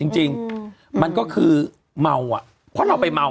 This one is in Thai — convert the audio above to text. จริงมันก็คือเมาเพราะเราไปเมา